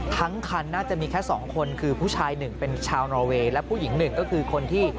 คันน่าจะมีแค่สองคนคือผู้ชายหนึ่งเป็นชาวนอเวย์และผู้หญิงหนึ่งก็คือคนที่